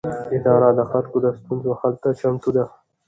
اداره د خلکو د ستونزو حل ته چمتو ده.